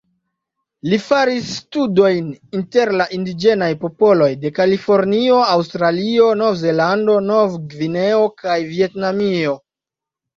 Li faris studojn inter la indiĝenaj popoloj de Kalifornio, Aŭstralio, Novzelando, Novgvineo kaj Vjetnamio.